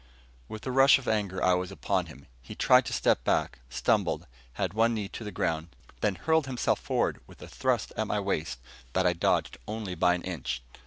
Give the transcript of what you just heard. With a rush of anger I was upon him. He tried to step back, stumbled, had one knee on the ground, then hurled himself forward with a thrust at my waist that I dodged only by an inch.